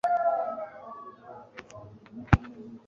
arenze ku muhanda cyangwa agahubuka ku ibaraza.